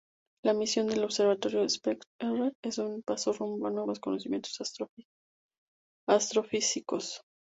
La misión del observatorio Spektr-R es un paso rumbo a nuevos conocimientos astrofísicos.